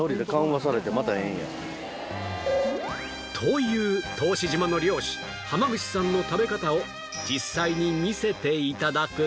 と言う答志島の漁師濱口さんの食べ方を実際に見せて頂くと